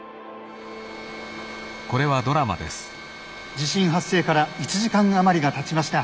「地震発生から１時間余りがたちました。